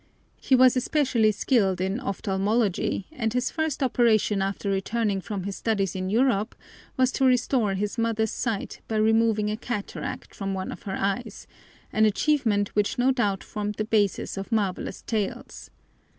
He was especially skilled in ophthalmology, and his first operation after returning from his studies in Europe was to restore his mother's sight by removing a cataract from one of her eyes, an achievement which no doubt formed the basis of marvelous tales.